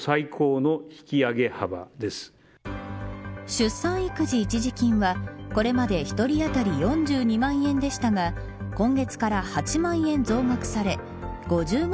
出産育児一時金はこれまで１人当たり４２万円でしたが今月から８万円増額され５０万